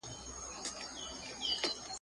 ایا ړوند سړی به له ږیري سره بې ډاره اتڼ وکړي؟